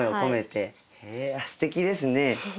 へえすてきですね。